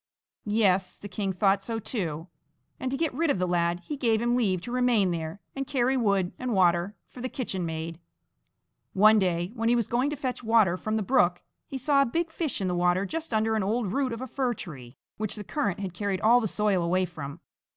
Yes, the king thought so too, and to get rid of the lad he gave him leave to remain there and carry wood and water for the kitchenmaid. One day, when he was going to fetch water from the brook, he saw a big fish in the water just under an old root of a fir tree, which the current had carried all the soil away from.